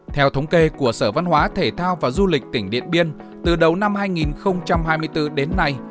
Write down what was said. theo thống kê của sở văn hóa thể thao và du lịch tỉnh điện biên từ đầu năm hai nghìn hai mươi bốn đến nay